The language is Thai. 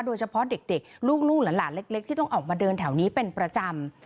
โดยเฉพาะเด็กลูกหลานเล็กที่ต้องออกมาเดินแถวนี้เป็นประจำ